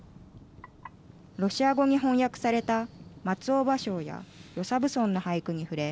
ロシア語に翻訳された松尾芭蕉や与謝蕪村の俳句に触れ